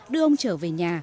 đưa ông trở về nhà